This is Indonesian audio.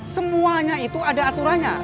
semuanya itu ada aturannya